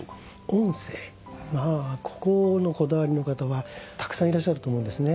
音声ここのこだわりの方はたくさんいらっしゃると思うんですね。